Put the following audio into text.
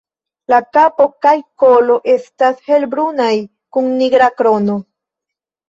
La kapo kaj kolo estas helbrunaj, kun nigra krono.